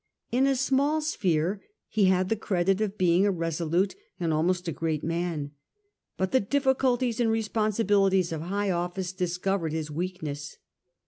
In a small sphere he had the credit of being a resolute and almost a great man, but the difficulties and responsibilities of high office dis covered his weakness.